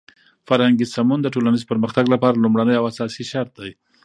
فرهنګي سمون د ټولنیز پرمختګ لپاره لومړنی او اساسی شرط دی.